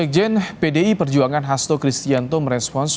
sekjen pdi perjuangan hasto kristianto merespons